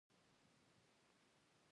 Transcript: د زیرې کښت څنګه دی؟